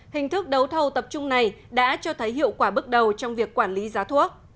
hình thức đấu thầu tập trung này đã cho thấy hiệu quả bước đầu trong việc quản lý giá thuốc